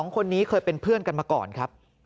๒คนนี้เคยเป็นเพื่อนกันมาก่อนครับ